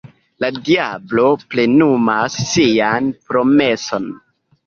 La diablo plenumas sian promeson.